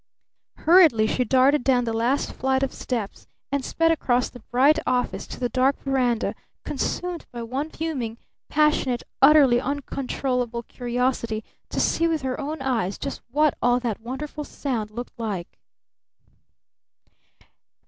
Hurriedly she darted down the last flight of steps and sped across the bright office to the dark veranda, consumed by one fuming, passionate, utterly uncontrollable curiosity to see with her own eyes just what all that wonderful sound looked like!